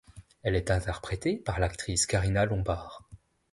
Elle est interprétée par l'actrice Karina Lombard.